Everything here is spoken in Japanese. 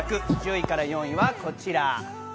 １０位から４位はこちら。